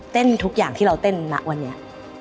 ทุกอย่างที่เราเต้นณวันนี้